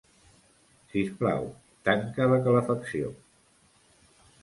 Sisplau, tanca la calefacció.